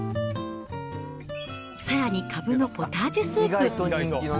さらにカブのポタージュスープ。